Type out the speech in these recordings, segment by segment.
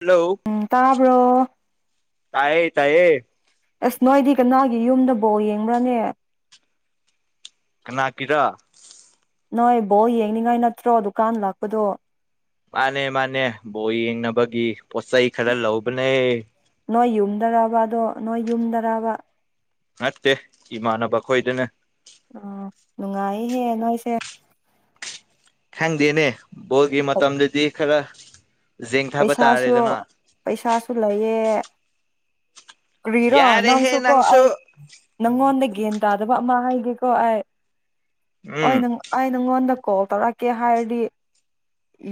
hello ꯇꯥꯕ꯭ꯔꯣ ꯇꯥꯏꯌꯦ ꯇꯥꯏꯌꯦ ꯑꯦꯁ ꯅꯣꯏꯗꯤ ꯀꯅꯥꯒꯤ ꯌꯨꯝꯗ ꯕꯣꯜ ꯌꯦꯡꯕ꯭ꯔꯅꯦ ꯀꯅꯥ ꯀꯤꯔ ꯅꯣꯏ ꯕꯣ ꯌꯦꯡꯅꯤꯡꯉꯥꯏ ꯅꯠꯇ꯭ꯔꯣ ꯗꯨꯀꯥꯟ ꯂꯥꯛꯄꯗꯣ ꯃꯥꯅꯦ ꯃꯥꯅꯦ ꯕꯣ ꯌꯦꯡꯅꯕꯒꯤ ꯄꯣꯠꯆꯩ ꯈꯔ ꯂꯧꯕꯅꯦ ꯅꯣꯏ ꯌꯨꯝꯗꯕꯗꯣ ꯅꯣꯏ ꯌꯨꯝꯗꯔꯕ ꯅꯠꯇꯦ ꯏꯃꯥꯟꯅꯕ ꯈꯣꯏꯗꯅꯦ ꯑꯣ ꯅꯨꯡꯉꯥꯏꯌꯦꯍꯦ ꯅꯣꯏꯁꯦ ꯈꯪꯗꯦꯅꯦ ꯕꯣꯔꯒꯤ ꯃꯇꯝꯗꯗꯤ ꯈꯔ ꯖꯦꯡꯊꯕ ꯄꯩꯁꯥꯁꯨ ꯇꯥꯔꯦꯗꯅ ꯄꯩꯁꯥꯁꯨ ꯂꯩꯌꯦ ꯀꯔꯤꯔꯣ ꯅꯪꯁꯨ ꯀꯣ ꯑꯩ ꯅꯪꯉꯣꯟꯗ ꯒ꯭ꯌꯥꯟ ꯇꯥꯗꯕ ꯑꯃ ꯍꯥꯏꯒꯦꯀꯣ ꯑꯩ ꯍ ꯎꯝ ꯅꯪ ꯑꯩ ꯅꯉꯣꯟꯗ ꯀꯣꯜ ꯇꯧꯔꯛꯀꯦ ꯍꯥꯏꯔꯗꯤ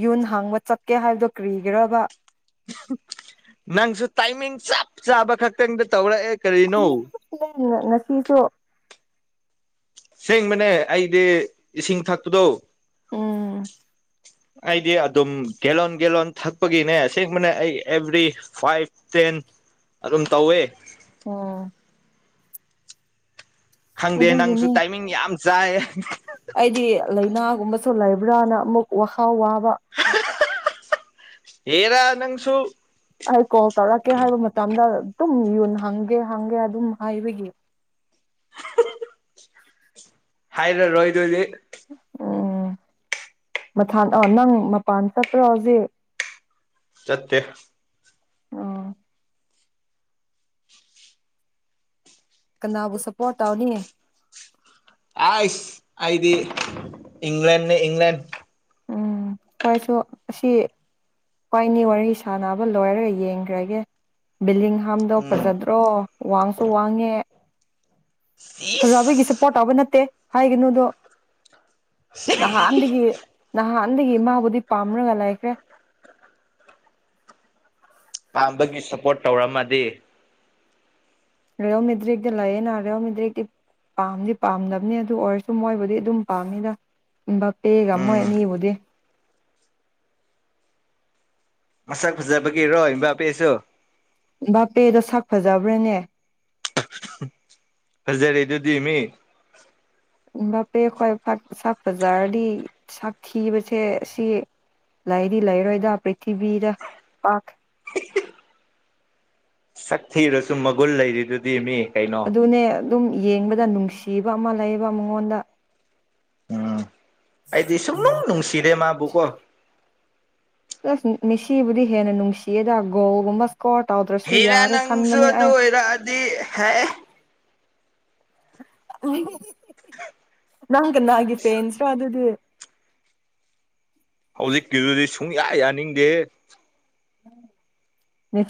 ꯌꯨꯟ ꯍꯥꯡꯕ ꯆꯠꯀꯦ ꯍꯥꯏꯕꯗꯨꯣ ꯀ꯭ꯔꯤꯒꯕ ꯅꯪꯁꯨ ꯇꯥꯏꯃꯤꯡ ꯆꯞ ꯆꯥꯕ ꯈꯛꯇꯪꯗ ꯇꯧꯔꯛꯑꯦ ꯀꯔꯤꯅꯣ ꯉꯁꯤꯁꯨ ꯁꯦꯡꯕꯅꯦ ꯑꯩꯗꯤ ꯏꯁꯤꯡ ꯊꯛꯄꯗꯣ ꯎꯝ ꯑꯩꯗꯤ ꯑꯗꯨꯝ ꯒꯦꯂꯂꯣꯟ ꯒꯦꯂꯂꯣꯟ ꯊꯛꯄꯒꯤꯅꯦ ꯑꯁꯦꯡꯕꯅꯦ ꯑꯩ ꯑꯦꯕ꯭ꯔꯤ ꯐꯥꯏꯚ ꯇꯦꯟ ꯑꯗꯨꯝ ꯇꯧꯋꯦ ꯑꯣ ꯈꯪꯗꯦ ꯅꯪꯁꯨ ꯑꯗꯨꯒꯤꯅꯦ ꯇꯥꯏꯃꯤꯡ ꯌꯥꯝ ꯆꯥꯏ ꯑꯩꯗꯤ ꯂꯩꯏꯅꯥꯒꯨꯝꯕꯁꯨ ꯂꯩꯥꯕ꯭ꯔꯥꯅ ꯑꯃꯨꯛ ꯋꯥꯈꯜ ꯋꯥꯕ ꯍꯔꯥ ꯅꯪꯁꯨ ꯑꯩ ꯀꯣꯜ ꯇꯧꯔꯛꯀꯦ ꯍꯥꯏꯕ ꯃꯇꯝꯗ ꯑꯗꯨꯝ ꯌꯨꯣꯟ ꯍꯪꯒꯦ ꯍꯪꯒꯦ ꯑꯗꯨꯝ ꯍꯥꯏꯕꯒꯤ ꯍꯥꯏꯔ ꯔꯣꯏ ꯑꯗꯣꯏꯗꯤ ꯎꯝ ꯃꯊ ꯑ ꯅꯪ ꯃꯄꯥꯟ ꯆꯠꯇꯄ꯭ꯔꯣ ꯍꯧꯖꯤꯛ ꯆꯠꯇꯦ ꯀꯅꯥꯕꯨ ꯁꯞꯄꯣꯔꯠ ꯇꯧꯅꯤ ꯑꯁ ꯑꯗꯤ ꯏꯪꯂꯦꯜ ꯅꯤ ꯏꯪꯂꯦꯜ ꯎꯝ ꯍꯣꯏꯁꯨ ꯑꯁꯤ ꯀ꯭ꯋꯥꯏꯅꯤ ꯋꯥꯔꯤ ꯁꯥꯟꯅꯕ ꯂꯣꯏꯔꯒ ꯌꯦꯡꯈ꯭ꯔꯒꯦ ꯕꯤꯜꯗꯤꯡ ꯑꯍꯝꯗꯣ ꯎꯝ ꯐꯖꯗ꯭ꯔꯣ ꯋꯥꯡꯁꯨ ꯋꯥꯡꯉꯦ ꯁꯤ ꯖꯥꯕꯒꯤ ꯁꯄꯣꯠ ꯇꯥꯕ ꯅꯠꯇꯦ ꯍꯥꯏꯒꯅꯨꯗꯨ ꯅꯍꯥꯟꯗꯒꯤ ꯅꯍꯥꯟꯗꯒꯤ ꯃꯥꯕꯨꯗꯤ ꯄꯥꯝꯔꯒ ꯂꯩꯈ꯭ꯔꯦ ꯄꯥꯝꯕꯒꯤ ꯁꯞꯄꯣꯔꯠ ꯇꯧꯔꯝꯃꯗꯤ ꯔꯤꯌꯜ ꯃꯦꯗ꯭ꯔꯤꯛꯗ ꯂꯩꯌꯦꯅ ꯔꯤꯌꯦꯜ ꯃꯦꯗ꯭ꯔꯤꯛꯇꯤ ꯄꯥꯝꯗꯤ ꯄꯥꯝꯗꯕꯅꯤ ꯑꯗꯨ ꯑꯣꯏꯔꯁꯨ ꯃꯣꯏꯕꯨꯗꯤ ꯑꯗꯨꯝ ꯄꯥꯝꯅꯤꯗ ꯏꯕ ꯄꯦꯒ ꯃꯣꯏ ꯎꯝ ꯑꯅꯤꯕꯨꯗꯤ ꯃꯁꯛ ꯐꯖꯕꯒꯤꯔꯣ ꯏꯝꯕꯥ ꯄꯦꯁꯨ ꯕꯥꯄꯦꯗꯣ ꯁꯛ ꯐꯖꯕ꯭ꯔꯅꯦ ꯐꯖꯔꯦ ꯑꯗꯨꯗꯤ ꯃꯤ ꯏ ꯄꯦꯛ ꯑꯩꯈ꯭ꯋꯥ ꯁꯥꯛ ꯕꯖꯥꯔꯗꯤ ꯆꯥꯛ ꯊꯤꯕꯁꯦ ꯁꯤ ꯂꯥꯏꯗꯤ ꯂꯩꯔꯣꯏꯗ ꯄ꯭ꯔꯤꯊꯤꯕꯤꯗ ꯄꯥ ꯁꯛꯊꯤꯔꯁꯨ ꯃꯒꯨꯟ ꯂꯩꯔꯤꯗꯨꯗꯤ ꯃꯤ ꯀꯩꯅꯣ ꯑꯗꯨꯅꯦ ꯑꯗꯨꯝ ꯌꯦꯡꯕꯗ ꯅꯨꯡꯁꯤꯕ ꯑꯃ ꯂꯩꯌꯦꯕ ꯃꯉꯣꯟꯗ ꯎꯝ ꯑꯩꯗꯤ ꯁꯨꯝꯂꯅꯨꯡ ꯅꯨꯡꯁꯤꯔꯦ ꯃꯥꯕꯨꯀꯣ ꯑꯁ ꯃꯤꯁꯤꯕꯨꯗꯤ ꯍꯦꯟꯅ ꯅꯨꯡꯁꯤꯌꯦꯗ ꯒꯣꯜ ꯒꯨꯝꯕ ꯀꯣꯜ ꯇꯧꯗ꯭ꯔꯁꯨ ꯍꯦꯔꯥ ꯌꯥꯔꯦ ꯅꯪꯁꯨ ꯈꯟꯕꯅꯦ ꯑꯗꯨ ꯑꯩ ꯑꯣꯏꯔꯛꯑꯗꯤ ꯍꯦ ꯅꯪ ꯀꯅꯥꯒꯤꯦ ꯐꯦꯦꯟꯁꯔꯣ ꯑꯗꯨꯗꯤ ꯍꯧꯖꯤꯛꯀꯤꯗꯨꯗꯤ ꯁꯨꯡꯌꯥ ꯌꯥꯅꯤꯡꯗꯦ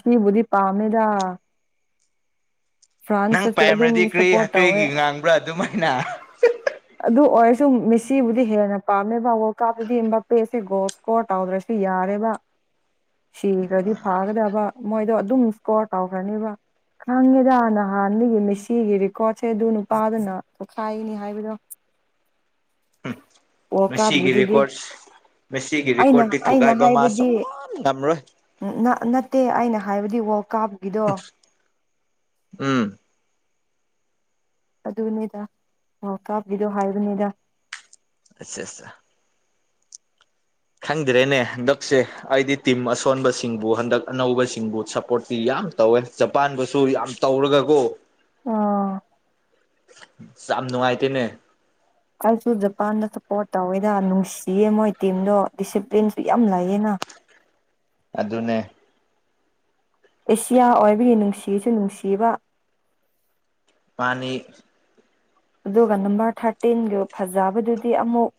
ꯁꯤꯕꯨꯗꯤ ꯄꯥꯝꯃꯦꯗ ꯅꯪ ꯐ꯭ꯔꯥꯟꯁꯇꯁꯨ ꯑꯗꯨꯝ ꯄꯥꯏꯝꯔꯗꯤ ꯀ꯭ꯔꯤ ꯁꯞꯄꯣꯔꯠ ꯇꯧꯋꯦ ꯀ꯭ꯔꯤꯒꯤ ꯉꯥꯡꯕ꯭ꯔꯥ ꯑꯗꯨꯃꯥꯏꯅ ꯑꯗꯨ ꯑꯣꯏꯔꯁꯨ ꯃꯤꯦꯁꯤꯕꯨꯗꯤ ꯍꯦꯟꯅ ꯄꯥꯝꯃꯦꯕ ꯋꯥꯔꯜ ꯀꯥꯞꯇꯗꯤꯕ ꯄꯦꯁꯤꯒꯣ ꯀꯣꯜ ꯇꯧꯗ꯭ꯔꯁꯨ ꯌꯥꯔꯦꯕ ꯁꯤꯈ꯭ꯔꯗꯤ ꯐꯒꯗꯕ ꯃꯣꯏꯗꯣ ꯑꯗꯨꯝ ꯏꯁꯀꯣꯔ ꯇꯧꯈ꯭ꯔꯅꯤꯕ ꯈꯪꯉꯦꯗ ꯅꯍꯥꯟꯒꯤ ꯃꯤꯦꯁꯤꯒꯤ ꯔꯦꯀꯣꯔꯠꯁꯦ ꯑꯗꯨ ꯅꯨꯄꯥꯗꯨꯅ ꯇꯣꯈꯥꯏꯅꯤ ꯍꯥꯏꯕꯗꯣ ꯕꯣꯜ ꯃꯦꯁꯤꯒꯤ ꯀꯥꯕꯒꯤꯗꯨꯗꯤ ꯔꯦꯀꯣꯔꯠꯁ ꯃꯦꯁꯤꯒꯤ ꯔꯦꯀꯣꯔꯠꯇꯤ ꯊꯨꯒꯥꯏꯕ ꯃꯥ ꯁꯨꯉꯝ ꯉꯝꯔꯣꯏ ꯅꯠꯇꯦ ꯑꯩꯅ ꯍꯥꯏꯕꯗꯤ ꯋꯥꯔꯜ ꯀꯞ ꯎꯝ ꯑꯗꯨꯅꯤꯗ ꯑꯣ ꯀꯥꯞꯄꯤꯗꯣ ꯍꯥꯏꯕꯅꯤꯗ [unintelligible] ꯈꯪꯗ꯭ꯔꯦꯅꯦ ꯍꯟꯗꯛꯁꯦ ꯑꯩꯗꯤ ꯇꯤꯝ ꯑꯁꯣꯟꯕꯁꯤꯡꯕꯨ ꯍꯟꯗꯛ ꯑꯅꯧꯕꯁꯤꯡꯕꯨ ꯁꯞꯄꯣꯔꯠꯇꯤ ꯌꯥꯝ ꯇꯧꯋꯦ ꯖꯄꯥꯟꯕꯨꯁꯨ ꯌꯥꯝ ꯇꯧꯔꯒꯀꯣ ꯎꯝ ꯌꯥꯝ ꯅꯨꯡꯉꯥꯏꯇꯦꯅꯦ ꯑꯩꯁꯨ ꯖꯄꯥꯟꯗ ꯁꯞꯄꯣꯔꯠ ꯇꯧꯋꯦꯗ ꯅꯨꯡꯁꯤꯌꯦ ꯃꯣꯏ ꯇꯤꯝꯗꯣ ꯗꯤꯁꯤꯄ꯭ꯂꯤꯟꯁꯨ ꯌꯥꯝ ꯂꯩꯌꯦꯅ ꯑꯗꯨꯅꯦ ꯑꯦꯁꯤꯌꯥ ꯑꯣꯏꯕꯒꯤ ꯅꯨꯡꯁꯤꯁꯨ ꯅꯨꯡꯁꯤꯕ ꯃꯅꯤ ꯑꯗꯨꯒ ꯅꯝꯕꯔ ꯊꯥꯔꯇꯤꯟꯗꯨ ꯐꯖꯕꯗꯨꯗꯤ ꯑꯃꯨꯛ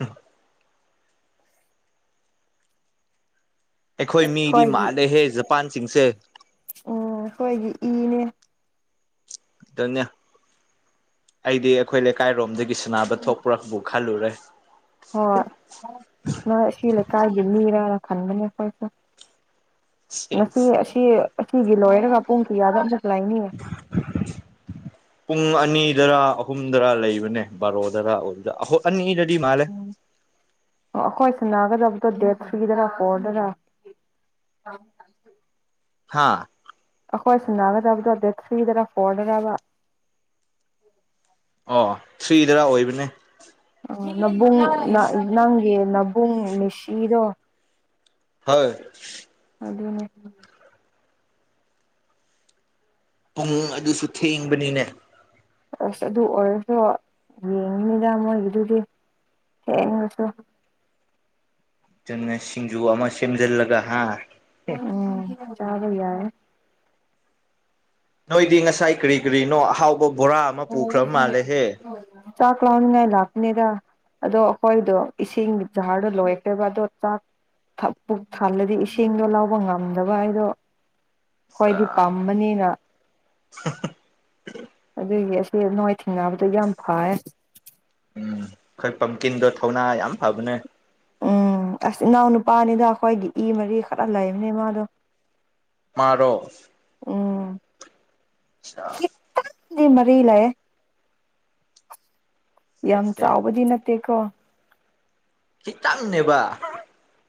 ꯎꯝ ꯑꯩꯈꯣꯏ ꯃꯤꯗꯤ ꯑꯩꯈꯣꯏꯒꯤ ꯃꯥꯜꯂꯦꯍꯦ ꯖꯄꯥꯟꯁꯤꯡꯁꯦ ꯎꯝ ꯑꯩꯈꯣꯏꯒꯤ ꯏꯅꯦ ꯑꯗꯨꯅꯦ ꯑꯩꯗꯤ ꯑꯩꯈꯣꯏ ꯂꯩꯀꯥꯏꯔꯣꯝꯗꯒꯤꯁꯨ ꯑꯅꯕ ꯊꯣꯛꯄ꯭ꯔꯕꯨ ꯈꯜꯂꯨꯔꯦ ꯍꯣꯏ ꯅꯣꯏ ꯁꯤ ꯂꯩꯀꯥꯏꯒꯤ ꯃꯤꯔꯅ ꯈꯟꯕꯅꯦ ꯑꯩꯈꯣꯏꯁꯨ ꯉꯁꯤ ꯑꯁꯤ ꯑꯁꯤꯒꯤ ꯂꯣꯏꯔꯒ ꯄꯨꯡ ꯀꯌꯥꯗ ꯑꯈ ꯂꯥꯏꯅꯤꯌꯦ ꯄꯨꯡ ꯑꯅꯤꯗꯔꯥ ꯑꯍꯨꯝꯗꯔꯥ ꯂꯩꯕꯅꯦ ꯕꯥꯔꯣꯗꯔ ꯑꯅꯤꯗꯗꯤ ꯃꯥ ꯑꯣ ꯑꯩꯈꯣꯏ ꯁꯅꯥꯒꯗꯕꯗꯣ ꯗꯦꯠ ꯐꯔꯤꯗꯅ ꯍꯣꯗꯔ [unintelligible] ꯍꯥꯥ ꯑꯩꯈꯣꯏ ꯁꯟꯅꯒꯗꯕꯗꯣ ꯗꯦ ꯊ꯭ꯔꯤꯗꯔ ꯐꯣꯔꯗꯔ ꯑꯣ ꯊ꯭ꯔꯤꯗꯔ ꯑꯣꯏꯕꯅꯦ ꯅꯕꯨꯡ ꯅꯦ ꯅꯕꯨꯡ ꯃꯦꯁꯤꯗꯣ ꯍꯣꯏ ꯑꯗꯨꯅ‌ꯦ [unintelligible] ꯄꯨꯡ ꯑꯗꯨꯁꯨ ꯊꯦꯡꯕꯅꯤꯅꯦ ꯑꯁ ꯑꯗꯨ ꯑꯣꯏꯔꯁꯨ ꯌꯦꯡꯅꯤꯗ ꯃꯣꯏꯒꯤꯗꯨꯗꯤ ꯊꯦꯡꯉꯁꯨ ꯆꯨꯝꯃ‌ꯦ ꯁꯤꯡꯖꯨ ꯑꯃ ꯁꯦꯝꯖꯤꯜꯂꯒ ꯍ ꯎꯝ ꯆꯥꯕ ꯌꯥꯏ ꯅꯣꯏꯗꯤ ꯉꯁꯥꯏ ꯀꯔꯤ ꯀꯔꯤꯅꯣ ꯑꯍꯥꯎꯕ ꯕꯣꯔꯥ ꯑꯃ ꯄꯨꯈ꯭ꯔꯕ ꯃꯥꯜꯂꯦꯍꯦ ꯆꯥꯛ ꯂꯥꯝꯅꯤꯉꯥꯏ ꯂꯥꯛꯄꯅꯤꯗ ꯑꯗꯣ ꯑꯩꯈꯣꯏꯗꯣ ꯏꯁꯤꯡ ꯖꯍꯥꯔꯗꯣ ꯂꯣꯏꯈ꯭ꯔꯦꯕ ꯑꯗꯣ ꯆꯥꯛ ꯊꯛ ꯄꯨꯛ ꯊꯜꯂꯗꯤ ꯏꯁꯤꯡꯗꯣ ꯂꯧꯕ ꯉꯝꯗꯕ ꯑꯩꯗꯣ ꯍꯣꯏꯗꯤ ꯄꯝꯕꯅꯤꯅ ꯑꯗꯨꯒꯤ ꯑꯁꯦ ꯅꯣꯏ ꯊꯦꯡꯅꯕꯗꯣ ꯌꯥꯝ ꯐꯌꯦ ꯎꯝ ꯑꯩꯈꯣꯏ ꯄꯝꯀꯤꯟꯗꯣ ꯊꯧꯅꯥ ꯌꯥꯝ ꯐꯕꯅꯦ ꯎꯝ ꯑꯁ ꯏꯅꯥꯎ ꯅꯨꯄꯥꯅꯤꯗ ꯑꯩꯈꯣꯏꯒꯤ ꯏ ꯃꯔꯤ ꯈꯔ ꯂꯩꯕꯅꯦ ꯃꯥꯗꯣ ꯃꯥꯔꯣ ꯎꯝ ꯑꯆꯥ [inaudible] ꯗ‌ꯦ ꯃꯔꯤ ꯂꯩꯌꯦ ꯌꯥꯝ ꯁꯦ ꯆꯥꯎꯕꯗꯤ ꯅꯠꯇꯦꯀꯣ ꯈꯤꯇꯪꯅꯦꯕ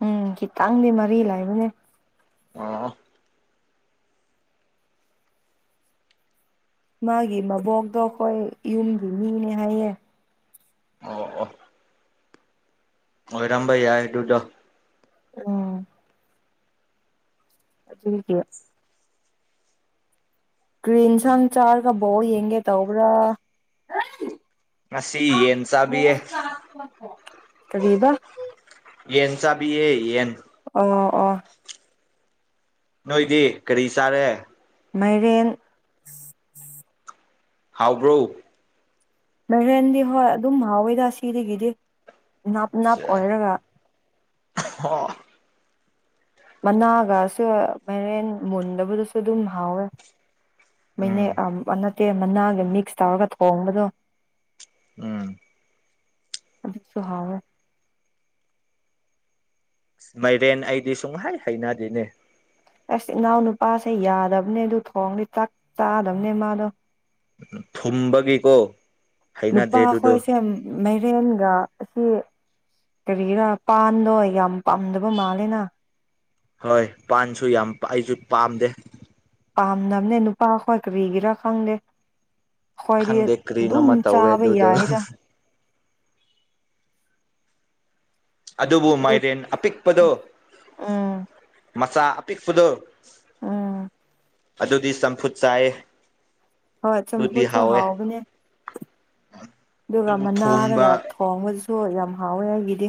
ꯎꯝ ꯈꯤꯇꯪꯗꯤ ꯃꯔꯤ ꯂꯩꯕꯅꯦ ꯑꯣ ꯃꯥꯒꯤ ꯃꯕꯣꯛꯇꯣ ꯑꯩꯈꯣꯏ ꯌꯨꯝꯒꯤ ꯃꯤꯅꯦ ꯍꯥꯏꯌꯦ ꯑꯣ ꯑꯣ ꯃꯣꯏꯔꯝꯕ ꯌꯥꯏ ꯇꯨꯗꯣ ꯎꯝ ꯑꯗꯨꯒꯤ ꯀ꯭ꯔꯤ ꯏꯟꯁꯥꯡ ꯆꯥꯔꯒ ꯕꯣꯜ ꯌꯦꯡꯒꯦ ꯇꯧꯕ꯭ꯔꯥ ꯉꯁꯤ ꯌꯦꯟ ꯆꯥꯕꯤꯌꯦ ꯀꯔꯤꯕ ꯌꯦꯟ ꯆꯥꯕꯤꯌ‌ꯦ ꯌꯦꯟ ꯑꯣ ꯑꯣ ꯅꯣꯏꯗꯤ ꯀꯔꯤ ꯆꯥꯔꯦ ꯃꯩꯔꯦꯟ ꯍꯥꯎꯕ꯭ꯔꯣ ꯃꯩꯔꯦꯟꯗꯤ ꯍꯣꯏ ꯑꯗꯨꯝ ꯃꯍꯥꯎꯋꯤꯗ ꯁꯤꯗꯒꯤꯗꯤ ꯅꯥꯞ ꯅꯥꯞ ꯑꯣꯏꯔꯒ [unintelligible] ꯃꯅꯥꯒꯁꯨ ꯃꯩꯔꯦꯟ ꯃꯨꯟꯗꯕꯗꯨꯁꯨ ꯑꯗꯨꯝ ꯍꯥꯎꯋꯦ ꯃ‌ꯦꯅꯦꯛ ꯎꯝ ꯅꯠꯇꯦ ꯃꯅꯥꯒ ꯃꯤꯛꯁ ꯇꯧꯔꯒ ꯊꯣꯡꯕꯗꯣ ꯎꯝ ꯑꯗꯨꯁꯨ ꯍꯥꯎꯋꯦ ꯃꯩꯔꯦꯟ ꯑꯩꯗꯤ ꯁꯨꯡꯍꯩ ꯍꯩꯅꯗꯦꯅꯦ ꯑꯁ ꯏꯅꯥꯎ ꯅꯨꯄꯥꯁꯦ ꯌꯥꯗꯕꯅꯦ ꯑꯗꯨ ꯊꯣꯡꯔꯗꯤ ꯆꯥꯛ ꯆꯥꯗꯕꯅꯦ ꯃꯥꯗꯣ ꯊꯨꯝꯕꯒꯤꯀꯣ ꯅꯨꯄꯥ ꯍꯩꯅꯗꯦ ꯑꯗꯨꯗꯣ ꯈꯣꯏꯁꯦ ꯃꯩꯔꯦꯟꯒ ꯑꯁꯤ ꯀꯔꯤꯔꯥ ꯄꯥꯟꯗꯣ ꯌꯥꯝ ꯄꯥꯝꯗꯕ ꯃꯥꯜꯂꯦꯅ ꯍꯣꯏ ꯄꯥꯟꯁꯨ ꯌꯥꯝ ꯑꯩꯁꯨ ꯄꯥꯝꯗꯦ ꯄꯥꯝꯗꯝꯕꯅꯦ ꯅꯨꯄꯥꯈꯣꯏ ꯀꯔꯤꯒꯤꯔꯥ ꯈꯪꯗꯦ ꯈ‌ꯣꯏꯗꯤ ꯈꯪꯗꯦ ꯑꯗꯨꯝ ꯀꯔꯤꯅꯣꯃ ꯇꯧꯋꯦ ꯆꯥꯕ ꯑꯗꯨꯗꯣ ꯌꯥꯏꯗ ꯑꯗꯨꯕꯨ ꯑꯗꯨ ꯃꯥꯏꯔꯦꯟ ꯑꯄꯤꯛꯄꯗꯣ ꯎꯝ ꯃꯆꯥ ꯑꯄꯤꯛꯄꯗꯣ ꯎꯝ ꯑꯗꯨꯗꯤ ꯆꯝꯐꯨꯠ ꯆꯥꯏ ꯍꯣꯏ ꯆꯝꯐꯨꯁꯨ ꯍꯥꯎꯕꯅꯦ ꯑꯗꯨꯒ ꯑꯗꯨꯕꯨ ꯊꯣꯡꯕ ꯃꯅꯥꯔꯒ ꯈꯣꯡꯕꯗꯨꯁꯨ ꯌꯥꯝ ꯍꯥꯎꯋꯦ ꯑꯩꯒꯤꯗꯤ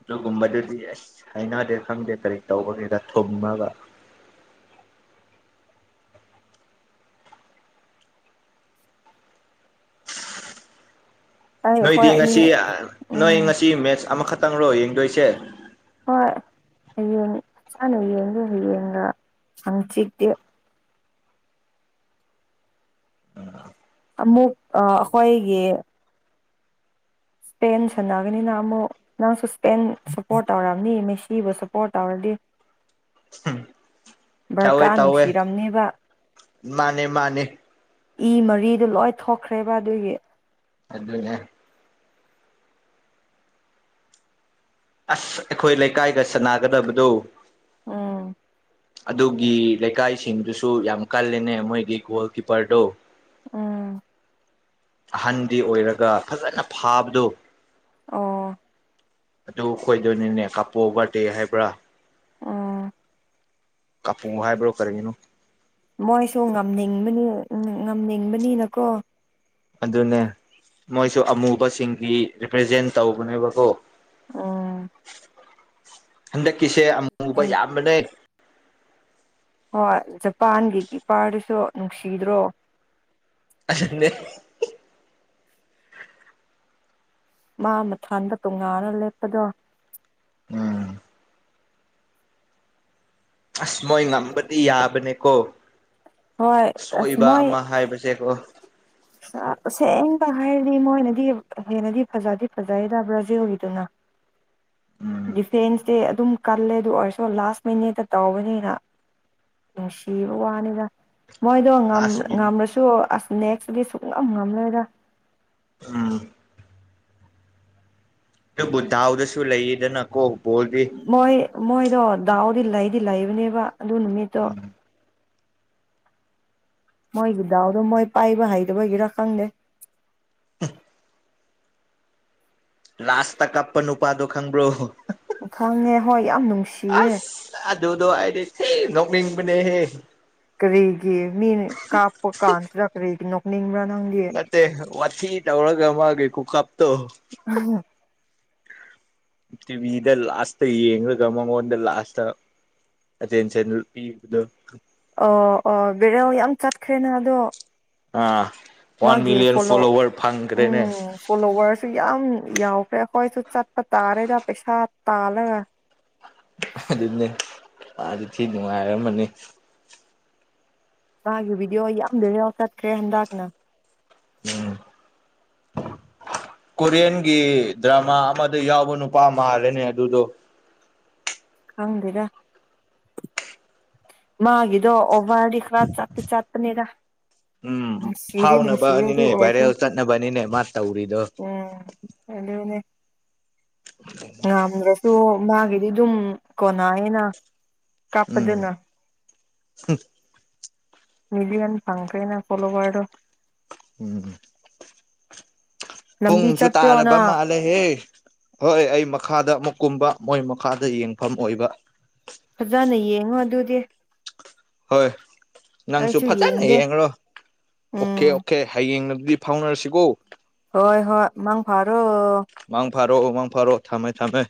ꯑꯗꯨꯒꯨꯝꯕꯗꯨꯗꯤ ꯑꯁ ꯍꯥꯏꯅꯗꯦ ꯈꯪꯗꯦ ꯀꯔꯤ ꯇꯧꯕꯒꯦꯗ ꯊꯨꯝꯃꯒ [unintelligible] ꯑꯩ ꯅꯣꯏꯗꯤ ꯑꯩꯈꯣꯏ ꯑꯅꯤ ꯉꯁꯤ ꯅꯣꯏ ꯎꯝ ꯉꯁꯤ ꯃꯦꯠꯁ ꯑꯃꯈꯛꯇꯪꯔꯣ ꯌꯦꯡꯗꯣꯏꯁꯦ ꯍꯣꯏꯡ ꯏꯁꯥꯅ ꯌꯦꯡꯒ ꯍꯌꯦꯡꯒ ꯌꯥꯝ ꯆꯤꯛꯇꯦ ꯑ ꯑꯃꯨꯛ ꯑꯩꯈꯣꯏꯒꯤ ꯄꯦꯟ ꯁꯥꯟꯟꯅꯒꯅꯤꯅ ꯑꯃꯨꯛ ꯅꯪꯁꯨ ꯁꯄꯦꯟ ꯁꯞꯄꯣꯔꯠ ꯇꯧꯔꯕꯅꯤ ꯃꯦꯁꯤꯕꯨ ꯁꯞꯄꯣꯔꯠ ꯇꯧꯔꯗꯤ ꯇꯧꯋꯦ ꯕꯔꯀꯥ ꯇꯧꯋꯦ ꯅꯨꯡꯁꯤꯔꯝꯅꯦꯕ ꯃꯥꯅꯦ ꯃꯥꯅꯦ ꯏ ꯃꯔꯤꯗꯨ ꯂꯣꯏ ꯊꯣꯛꯈ꯭ꯔꯦꯕ ꯑꯗꯨꯒꯤ ꯑꯗꯨꯅꯦ ꯑꯁ ꯑꯩꯈꯣꯏ ꯂꯩꯀꯥꯏꯗ ꯁꯅꯥꯒꯗꯕꯗꯣ ꯑꯣ ꯑꯗꯨꯒꯤ ꯂꯩꯀꯥꯏꯁꯤꯡꯗꯨꯁꯨ ꯌꯥꯝ ꯀꯜꯂꯦꯅꯦ ꯃꯣꯏꯒꯤ ꯒꯣꯜ ꯀꯤꯞꯄꯔꯗꯨꯣ ꯎꯝ ꯑꯍꯟꯗꯤ ꯑꯣꯏꯔꯒ ꯐꯖꯅ ꯐꯥꯕꯗꯣ ꯑꯣ ꯑꯗꯨ ꯈꯈꯣꯏꯗꯣꯏꯅꯤꯅꯦ ꯀꯥꯄꯣ ꯕꯥꯔꯗꯦ ꯍꯥꯏꯕ꯭ꯔꯥ ꯎꯝ ꯀꯥꯄꯨ ꯍꯥꯏꯕ꯭ꯔꯣ ꯀꯔꯤꯒꯤꯅꯣ ꯃꯣꯏꯁꯨ ꯉꯝꯅꯤꯡꯕꯅꯤ ꯎ ꯉꯝꯅꯤꯡꯕꯅꯤꯅꯀꯣ ꯑꯗꯨꯅꯦ ꯃꯣꯏꯁꯨ ꯑꯃꯨꯕꯁꯤꯡꯒꯤ ꯔꯤꯄ꯭ꯔꯖꯦꯟ ꯇꯧꯕꯅꯦꯕꯀꯣ ꯑꯣ ꯍꯟꯗꯛꯀꯤꯁꯦ ꯑꯃꯛ ꯄ ꯑꯦ ꯌꯥꯝꯅꯦ ꯍꯣꯏ ꯖꯄꯥꯟꯒꯤ ꯀ ꯄꯥꯔꯗꯨꯁꯨ ꯅꯨꯡꯁꯤꯗ꯭ꯔꯣ ꯦ ꯃꯥ ꯃꯊꯟꯗ ꯇꯣꯉꯥꯟꯅ ꯂꯦꯞꯄꯗꯣ ꯎꯝ ꯑꯁ ꯃꯣꯏ ꯉꯝꯕꯗꯤ ꯌꯥꯕꯅꯦꯀꯣ ꯍꯣꯏ ꯑꯁ ꯁꯣꯏꯕ ꯑꯃ ꯍꯥꯏꯕꯁꯦꯀꯣ ꯁꯦꯡꯕ ꯍꯥꯏꯔꯗꯤ ꯃꯣꯏꯅꯗꯤ ꯍꯦꯟꯅꯗꯤ ꯐꯖꯗꯤ ꯐꯖꯩꯗ ꯕ꯭ꯔꯥꯖꯨꯒꯤꯗꯨꯅ ꯎꯝ ꯗꯤꯐꯦꯟꯁ ꯗ ꯑꯗꯨꯝ ꯀꯜꯂꯦ ꯑꯗꯨ ꯑꯣꯏꯔꯁꯨ ꯂꯥꯁ ꯃꯤꯅꯤꯠꯇ ꯇꯧꯕꯅꯤꯅ ꯅꯨꯡꯁꯤꯕ ꯋꯥꯅꯤꯗ ꯃꯣꯏꯗꯣ ꯂꯥꯁ ꯃꯤꯅꯤꯠ ꯉꯝꯂꯁꯨ ꯑꯁ ꯅꯦꯛꯁꯗꯤ ꯁꯨꯛꯅꯝ ꯉꯝꯂꯣꯏꯔ ꯎꯝ ꯑꯗꯨ ꯕꯨꯙꯥꯎꯗꯁꯨ ꯂꯩꯌꯦꯗꯅ ꯀꯣꯣꯜꯗꯤ ꯃꯣꯏ ꯃꯣꯏꯗꯣ ꯗꯥꯎꯗꯤ ꯂꯩꯗꯤ ꯂꯩꯕꯅꯦꯕ ꯑꯗꯨ ꯅꯨꯃꯤꯠꯇꯣ ꯎꯝ ꯃꯣꯏꯒꯤ ꯗꯥꯎꯗꯣ ꯃꯣꯏ ꯄꯥꯏꯕ ꯍꯩꯗꯕꯒꯤꯔ ꯈꯪꯗꯦ ꯑ ꯂꯥꯁ ꯇ ꯀꯞꯄꯟ ꯎꯄꯥꯗ ꯈꯪꯕ꯭ꯔꯣ ꯎ ꯈꯪꯉꯦ ꯍꯣꯏ ꯌꯥꯝ ꯅꯨꯡꯁꯤꯌꯦ ꯑꯁ ꯑꯗꯨꯗꯣ ꯑꯩꯗꯤ ꯅꯣꯛꯅꯤꯡꯕꯅꯦꯍꯦ ꯀꯔꯤꯒꯤ ꯃꯤꯅ ꯀꯥꯞꯄ ꯀꯥꯟꯁꯤꯗ ꯀꯔꯤꯒꯤ ꯅꯣꯛꯅꯤꯡꯕ꯭ꯔꯥ ꯅꯪ ꯅꯠꯇ ꯋꯥꯊ ꯇꯧꯔꯒ ꯃꯥ ꯀꯩꯀꯨ ꯀꯥꯞꯇ ꯑ ꯇꯤꯚꯗ ꯂꯥꯁꯇ ꯌꯦꯡꯉꯒ ꯃꯉꯣꯟꯗ ꯂꯥꯁꯇ ꯑꯁ ꯄꯤꯕꯗꯣ ꯑꯣ ꯑꯣ ꯕꯦꯔꯧ ꯌꯥꯝ ꯆꯠꯈ꯭ꯔꯦꯅ ꯑꯗꯣ ꯑꯥ ꯋꯥꯟ ꯃꯥꯒꯤ ꯃꯤꯂꯤꯌꯟ ꯐꯣꯂꯣ ꯐꯣꯂꯣꯋꯔ ꯐꯪꯈ꯭ꯔꯦꯅꯦ ꯎꯝ ꯐꯣꯂꯣꯋꯔꯁꯨ ꯌꯥꯝ ꯌꯥꯎꯈ꯭ꯔꯦ ꯑꯩꯈꯣꯏꯁꯨ ꯆꯠꯄ ꯇꯥꯔꯦꯗ ꯄꯩꯁꯥ ꯇꯥꯜꯂꯒ ꯑꯗꯨꯅꯦ ꯃꯥ ꯑꯗꯨ ꯊꯤ ꯅꯨꯡꯉꯥꯏꯔꯝꯃꯅꯤ ꯃꯥꯒꯤ ꯚꯤꯗꯤꯑꯣ ꯌꯥꯝ ꯂꯩꯔ ꯆꯠꯈ꯭ꯔꯦ ꯍꯟꯗꯛꯅ ꯎꯝ ꯀꯣꯔꯤꯌꯟꯒꯤ ꯗ꯭ꯔꯃꯥ ꯑꯃꯗ ꯌꯥꯎꯕ ꯅꯨꯄꯥ ꯃꯥꯜꯂꯦꯅꯦ ꯑꯗꯨꯗꯣ ꯍꯪꯗꯗ ꯃꯥꯒꯤꯗꯣ ꯑꯣꯕ ꯋꯥ ꯈ꯭ꯔ ꯆꯥꯄꯤ ꯆꯥꯠꯇꯅꯤꯔ ꯎꯝ ꯐꯥꯎꯅꯕ ꯑꯅꯤꯅꯦ ꯑꯣꯏꯔꯁꯨ ꯚꯥꯏꯔꯦꯜ ꯆꯠꯅꯕꯅꯤꯅꯦ ꯃꯥ ꯇꯧꯔꯤꯗꯣ ꯍꯗꯅꯦ ꯉꯝꯗ꯭ꯔꯁꯨ ꯃꯥꯒꯤꯗꯤ ꯑꯗꯨꯝ ꯀꯣꯟꯅꯑꯦꯅ ꯎꯝ ꯀꯥꯞꯄꯗꯅ ꯅꯗꯤ ꯑꯅꯤ ꯄ ꯀꯥꯏꯅ ꯀꯣꯂꯣꯧꯕꯗꯣ ꯎꯝ ꯂꯝꯕꯤ ꯊꯨꯝꯁꯨ ꯆꯠꯄ꯭ꯔꯣꯅ ꯇꯥꯔꯕ ꯃꯥꯂ ꯂꯩꯍꯦ ꯍꯣꯏ ꯑꯩ ꯃꯈꯥꯗ ꯑꯃꯨꯛ ꯀꯨꯝꯕ ꯃꯣꯏ ꯃꯈꯥꯗ ꯌꯦꯡꯐꯝ ꯑꯣꯏꯕ ꯐꯖꯅ ꯌꯦꯡꯉꯣ ꯑꯗꯨꯗꯤ ꯍꯣꯏ ꯅꯪꯁꯨ ꯑꯩꯁꯨ ꯐꯖꯅ ꯌꯦꯡꯒꯦ ꯌꯦꯡꯂꯡꯣ ꯑꯣꯀꯦ ꯎꯝ ꯑꯣꯀꯦ ꯍꯌꯦꯡꯅ ꯑꯗꯨꯗꯤ ꯐꯥꯎꯅꯔꯁꯤꯀꯣ ꯍꯣꯏ ꯍꯣꯏ ꯃꯪ ꯐꯥꯔꯣ ꯃꯥꯡ ꯐꯥꯔꯛꯑꯣ ꯃꯥꯡ ꯐꯥꯔꯛꯑꯣ ꯊꯝꯃꯦ ꯊꯝꯃꯦ